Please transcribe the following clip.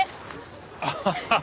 アハハッ。